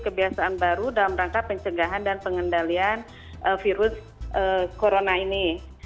kami telah menjawab mereka mengenai penyelesaian dan pengendalian virus corona ini